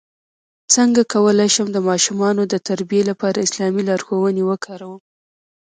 څنګه کولی شم د ماشومانو د تربیې لپاره اسلامي لارښوونې وکاروم